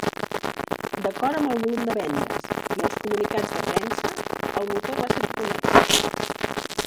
D'acord amb el volum de vendes i els comunicats de premsa, el motor va ser tot un èxit.